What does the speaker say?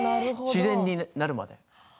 自然になるまで。